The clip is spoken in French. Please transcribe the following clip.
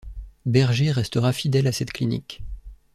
Berger restera fidèle à cette clinique.